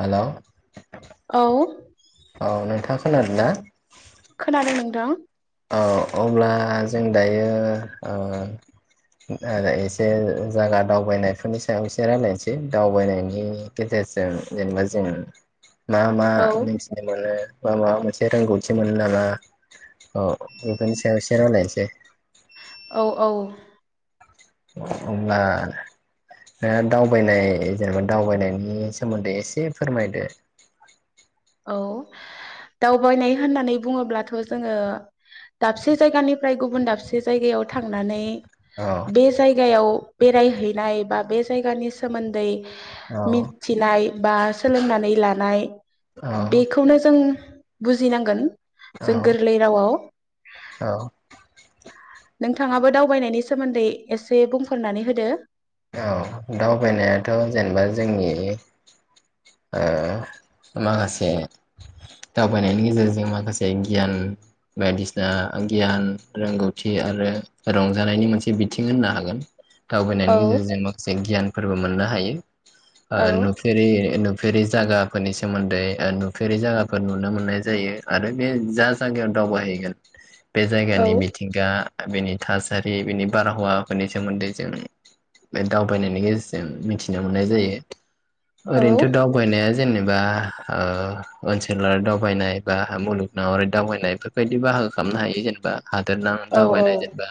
हेल'। औ नोंथां खोनादोंना खोनादों नोंथां अ अब्ला जों दायो एसे जायगा दावबायनायफोरनि सायाव एसे राय्लायनोसै दावबायनायनि गेजेरजों जेनेबा जों मा मा औ मोनथिनो मोनो मा माबा मोनसे रोंगौथि मोनो नामा। अ बिफोरनि सायाव एसे रायलायसेै औ औ होनब्ला दा दावबायनाय जेनेबा दावबायनायनि सोमोन्दै एसे फोरमायदो औ दावबायनाय होननानै बुङोब्लाथ' जोङो दाबसे जायगानिफ्राय गुबुन दाबसे जायगायाव थांनानै औ बे जायगायाव बेरायहैनाय, बा बे जायगानि सोमोन्दै औ मिथिनाय बा सोलोंनानै लानाय औ बेखौनो जों बुजिनांगोन। औ जों गोरलै रावआव औ नोंथाङाबो दावबायनायनि सोमोन्दै एसे बुंफोरनानै होदो औ दावबायनायाथ' जेनेबा जोंनि ओ माखासे दावबायनायनि गेजेरजों माखासे गियान, बायदिसिना गियान, रोंगौथि आरो रंजानायनि मोनसे बिथिं होननो हागोन। औ दावबायनायनि गेजेरजों माखासे गियानफोरबो मोननो हायो। ओ औ नुफेरै नुफेरि जागाफोरनि सोमोन्दै, नुफेरि जागाफोर नुनो मोननाय जायो आरो बे जा जागायाव दावबायहैगोन बे औ जायगानि मिथिंगा बेनि थासारि, बिनि बारहावाफोरनि सोमोन्दै जों बे दावबायनायनि गेजेरजों मिथिनो मोननाय जायो। ओरैनोथ' दावबायनाया जेनेबा ओ ओनसोलारि दावबायनाय, बा मुलुगनङारि दावबायनाय बेफोरबायदि बाहागो खालामनो हायो जेनेबा हादोरनां औ दावबायनाय औ जेनबा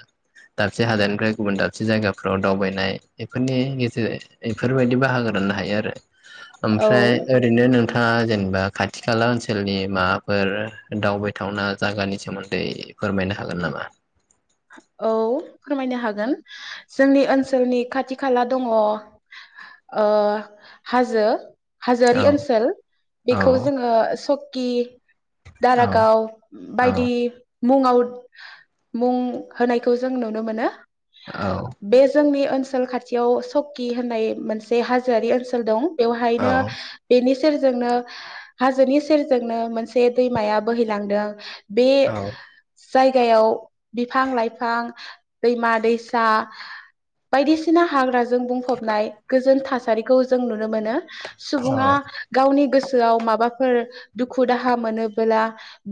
दाबसे हादरनिफ्राय गुबुन दाबसे जायगाफ्राव दावबायनाय बेफोरनि गेजेर बेफोरबायदि बाहागो राननो हायो आरो ओमफ्राय औ ओरैनो नों थाङा जेनेबा खाथि खाला ओनसोलनि माबाफोर दावबायथावना जागानि सोमोन्दै फोरमायनो हागोन नामा? औ फोरमायनो हागोन, जोंनि ओनसोलनि खाथि खाला दङ ओ हाजो हाजोयारि औ ओनसोल औ बेखौ जोङो स गि औ दारागाव औ बायदि मुङाव मुं होनायखौ जों नुनो मोनो। बे जोंनि ओनसोल खाथियाव सकि होननाय मोनसे हाजोआरि ओनसोल दं। औ बेवहायनो बेनि सेरजोंनो हाजोनि सेरजोंनो मोनसे दैमाया बोहैलांदों। बे जायगायाव बि फां-लाइफां, दैमा-दैसा बायदिसिना हाग्राजों बुंफबनाय गोजोन थासारिखौ जों नुनो मोनो। सुबुङा गावनि गोसो सोआव माबाफोर दुखु दाहा मोनोबोला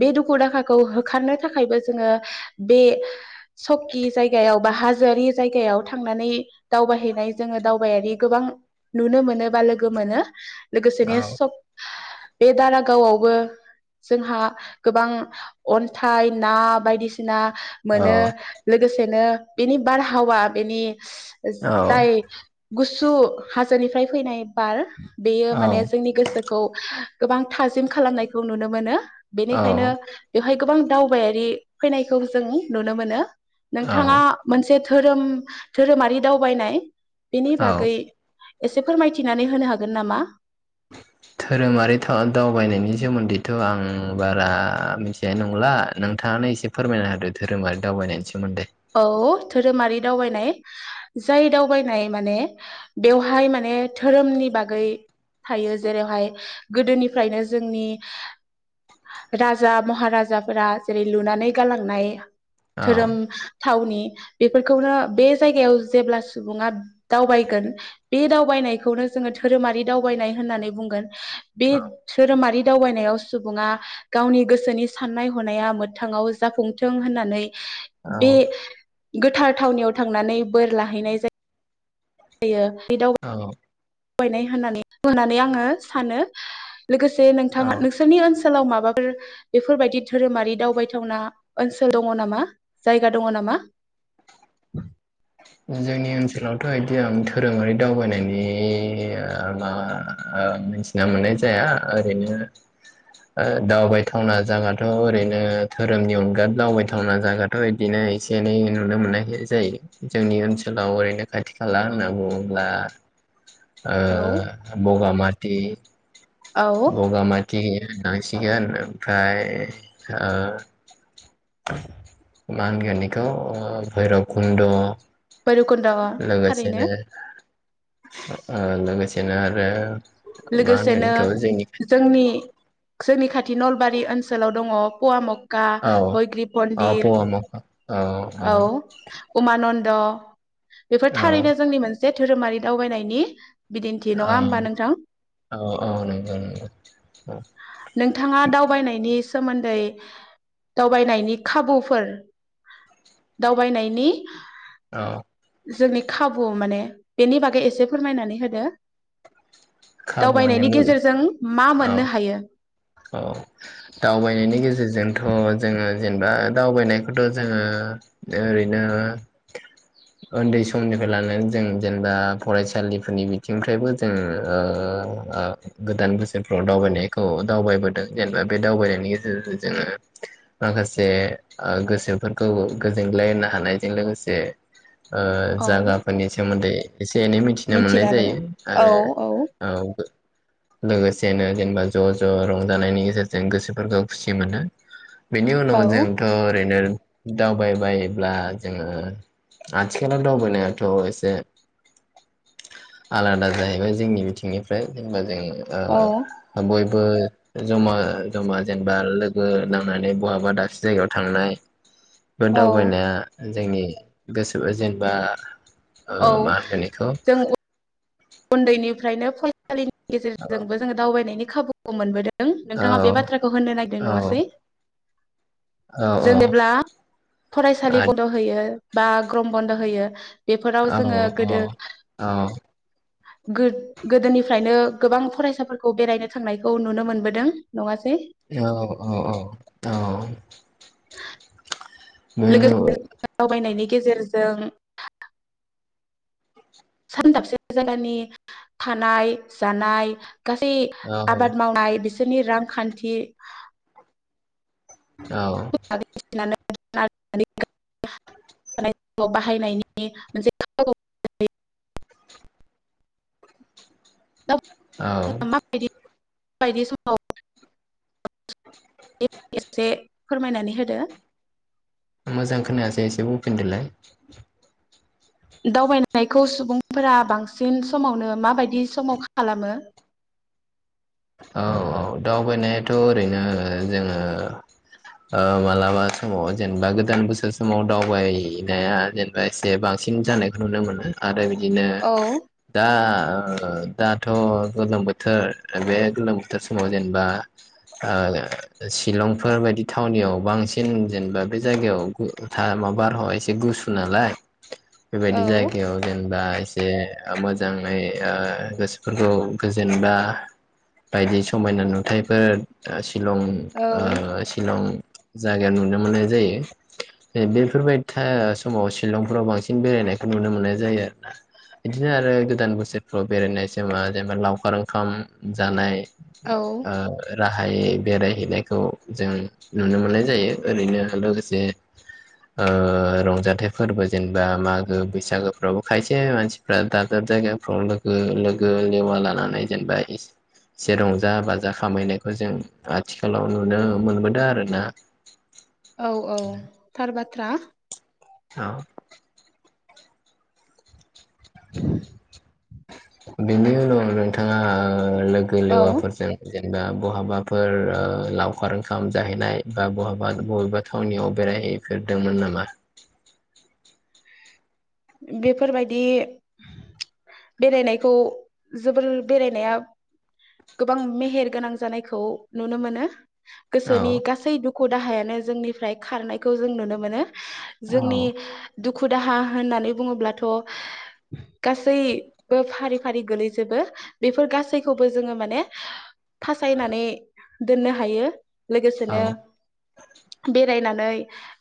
बे दुखु दाहाखौ होखारनो थाखायबो जोङो बे सकि जायगायाव बा हाजोआरि जायगायाव थांनानै दावबायहैनाय जोङो दावबायारि गोबां नुनो मोनो बा लोगो मोनो। लोगोसेनो सब बे दारागावआवबो जोंहा गोबां अन्थाइ ना बायदिसिना औ मोनो लोगोसेनो बेनि बारहावा बेनि जाय गुसु हाजोनिफ्राय फैनाय बार बेयो माने जोंनि गोसोखौ गोबां थाजिम खालामनायखौ नुनो मोनो। औ बेनिखायनो बेवहाय गोबां दावबायारि फैनायखौ जों नुनो मोनो औ नोंथाङा मोनसे धोरोम धोरोमारि दावबायनाय बेनि औ बागै एसे फोरमायथिनानै होनो हागोन नामा? धोरोमारि था दावबायनायनि सोमोन्दैथ' आं बारा मिथिनाय नंला नोंथाङानो एसे फोरमायना हादो धोरोमारि दावबायनायनि सोमोन्दै। औ धोरोमारि दावबायनाय जाय दावबायनाय माने बेवहाय माने धोरोमनि बागै थायो जेरौहाय गोदोनिफ्रायनो जोंनि राजा महाराजाफोरा जेरै लुनानै गालांनाय औ धोरोम थावनि बेफोरखौनो बे जायगायाव जेब्ला सुबुङा दावबायगोन बे दावबायनायखौनो जोङो धोरोमारि दावबायनाय होननानै बुंगोन। बे धोरोमारि दावबायनायाव सुबुङा गावनि गोसोनि साननाय हनाया मोगथाङाव जाफुंथों होननानै बे औ गोथार थावनियाव थांनानै बोर लाहैनाय जा यो औ बायनाय होननानै होनानै आंङो सानो। लोगोसे नोंथाङा औ नोंसोरनि ओनसो लाव माबाफोर बेफोरबायदि धोरोमारि दावबायथावना ओनसोल दङ नामा जायगा दङ नामा? जोंनि ओनसोलावथ इदि आम धोरोमारि दावबायनायनि ओ मा ओ मिथिना मोननाय जाया। ओरैनो ओ दावबायथावना जागाथ ओरैनो धोरोमनि अनगा दावबायथावना जायाथ इदिनो एसे एनै नुनो मोननाय जायो। जोंनि ओनसोलाव ओरैनो खाथि खाला होनना बुङोब्ला ओ औ बगामाति औ बगामाति होननांसिगोन ओमफ्राय ओ मा होनगोन येखौ भैरब कुन्द' भैरबकुन्द आव लोगोसेनो थारैनो। लोगोसेनो आरो। मा लोगोसेनो होनगोन बेखौ जोंनि जोंनि। जोंनि खाथि नलबारि ओनसोलाव दङ पवामुग का औ हयग्रिब औ मन्दिर पवामाव औ औ उमानद द' बेफोर औ थारैनो जोंनि मोनसे। धोरोमारि दावबायनायनि। बिदिन्थि नङा औ होमबा नोंथां औ औ नंगौ नंगौ नोंथाङा दावबायनायनि सोमोन्दै दावबायनायनि खाबुफोर दावबायनायनि औ जोंनि खाबु माने बेनि बागै एसे फोरमायनानै होदो। खाबुआनो दावबायनायनि मुलि गेजेरजों मा औ मोननो हायो? औ दावबायनायनि गेजेरजोंथ' जोङो। जेनेबा दावबायनायखौथ' जोङो ओरैनो उन्दै समनिफ्राय लानानै जों जेनेबा फरायसालिफोरनि बिथिंनिफ्रायबो जों गोदान बोसोरफ्राव दावबायनायखौ। दावबायबोदों जेनेबा बे दावबायनायनि गेजेरजों जोङो माखासे ओगोसोफोरखौ गोजोनग्लाय होनो हानायजों लोगोसे ओ औ जागाफोरनि सोमोन्दै एसे एनै मिथिनो मोननाय मिथिना मोनो जायो आरो औ लोगोसे जेनो जेनेबा ज' ज' ज' रंजानायनि गेजेरजों गोसोफोरखौ खुसि मोनो बेनि औ उनाव जोंथ' ओरैनो दावबायबायायोब्ला जोङो आथिखालाव दावबायनायाथ' एसे आलादा जाहैबाय जोंनि बिथिंनिफ्राय जेनेबा जों ओ औ हाबयब - ओ जमा जमा जेनेबा लोगो नांनानै बहाबा दाबसे जायगायाव थांनाय। बे औ दावबायनाया जोंनि गोसोबा जेनेबा औ मा होनगोन एखौ जों उन्दैनिफ्रायनो फै [unintelligible] नि गेजेरजोंबो जोङो दावबायनायनि खाबुखौ मोनबोदों नों औ नोंथाङा बे बाथ्राखौ होननो नागिरदों औ नङासै? औ औ जेनेब्ला फरायसालि बन्द' होयो बा गरम बन्द होयो बेफोराव जोङो औ गोदो गोद-गोदोनिफ्रायनो गोबां फरायसाफोरखौ बेरायनो थांनायखौ नुनो मोनबोदों नङासै औ औ औ औ [unintelligible] लोगोसे बेनो दावबायनायनि गेजेरजों [unintelligible] जायगानि थानाय जानाय गासै औ आबाद मावनाय बिस सोरनि रांखान्थि। औ। [inaudible] बाहायनायनि मोनसे [inaudible] औ। माबायदि बायदि समाव [unintelligible] एसे फोरमायनानै होदो। मोजां खोनायासै एसे बुंफिनदोलाय। दावबायनायखौ सुबुंफोरा बांसिन समावनो माबायदि समाव खालामो औ औ दावबायनायाथ ओरैनो जोङो मालाबा समाव जेनेबा गोदान बोसोर समाव दावबायनाया जेनेबा एसे बांसिन जानायखौ नुनो मोनो आरो। बिदिनो औ दा ओ दाथ गोलोम बोथोर बे गोलोम बोथोर समाव जेनेबा ओ शिलंफोर बायदि थावनियाव बांसिन जेनेबा बे जायगायाव गु आ बारहावाया एसे गुसु नालाय बेबायदि औ जायगायाव जेनेबा जे मोजाङै आ गोसोफोरखौ गोजोनबा। बायदि समायना नुथायफोर शिलं औ ओ शिलं जायगायाव नुनो मोननाय जायो बेफोरबायदि समाव शिलंफ्राव बांसिन बेरायनायखौ नुनो मोननाय जायो आरोना बिदिनो आरो गोदान बोसोरफ्राव बेरायनाय समा जेनेबा लावखार ओंखाम। जानाय। [inaudible] औ ओ रा गाहाय बेरायहैनायखौ जों नुनो मोननाय जायो ओरैनो लोगोसे ओ रंजाथाइ फोरबो जेनेबा मागो बैसागो फोरावबो खायसे मानसिफ्रा दाब दाब जायगाफ्राव लोगो लोगो लेवा लानानै जेनेबा एसे रंजा बाजा खामायनायखौ जों आथिखालाव नुनो मोनबोदों आरो ना। थ्रा औ। [inaudible] बेनि उनाव नोंथाङा लोगो औ लेवाफोरजों जे। बा बहाबाफोर ओ लावखार ओंखाम जाहैनाय बा बहाबा बबेबा थावनियाव बेरायहैफेरदोंमोन नामा? बेफोरबायदि बेरायनायखौ जोबोर बेरायनाया गोबां मेहेर गोनां जानायखौ नुनो मोनो। औ गोसोनि गासै दु खु दाहायानो जोंनिफ्राय खारनायखौ जों नुनो मोनो। जोंनि औ दु खु दाहा होननानै बुङोब्लाथ' गासैबो फारि फारि गोलैजोबो बेफोर गासैखौबो जोङो माने फासायनानै दोननो हायो। औ लोगोसेनो बे। नानै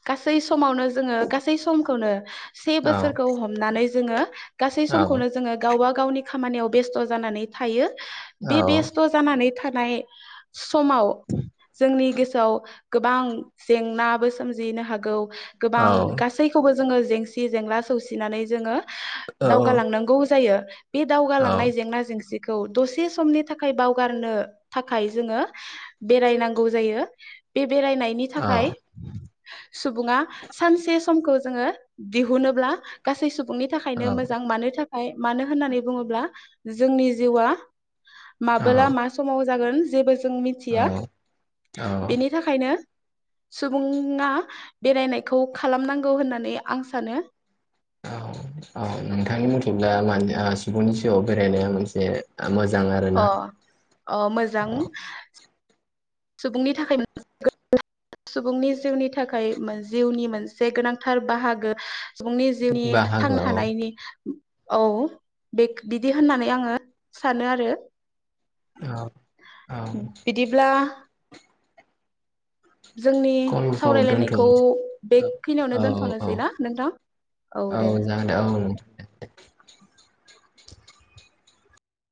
गासै। समावनो जोङो गासै समखौनो। [inaudible] औ सोरखौ हमनानै जोङो गासै औ समखौनो जोङो गावबा गावनि। खामानियाव बेस्थ' जानानै थायो। औ बे बेस्थ' जानानै थानाय समाव जोंनि गोसोआव गोबां जेंनाबो सोमजिनो हागौ। औ गोबां गासैखौबो। जोंङो जेंसि जेंला। सौसिनानै जोङो। औ दावगालांनांगौ जायो। बे दावगालांनाय जेंना जेंसि खौ दसे समनि थाखाय बावगारनो थाखाय जोङो बेरायनांगौ जायो। बे बेरायनायनि थाखाय। सुबुङा सानसे समखौ जोङो दिहुनोब्ला। गासै सुब सुबुंनि थाखायनो मोजां मानो थाखा। मानो होननानै बुङोब्ला जोंनि जिउआ। माबोला मा समाव जागोन जेबो जों मिथिया औ औ बेनि थाखायनो सुबुंआ बेरायनायखौ खालामनांगौ होननानै आं सानो। औ औ नोंथांनि मथेब्ला माने ओ सुबुंनि जिउआव बेरायनाया मोनसे मोजां अ आरोना अ मोजां औ सुबुंनि थाखाय [inaudible] सुबुंनि जिउनि थाखाय जिउनि मोनसे गोनांथार बाहागो सुबुंनि जिउनि बाहागो थांना औ थानायनि औ बे बिदि होननानै आङो सानो आरो। औ औ बिदिब्ला जोंनि कलखौ सावरायलायनायखौ दोनथ'नोसै बेखिनियावनो औ औ दोनथ'नोसै ना नोंथां औ दे।